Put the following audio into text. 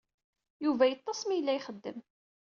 Yuba yeḍḍes mi yella ixeddem.